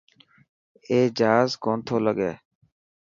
اي جهاز ڪو نٿو لگي.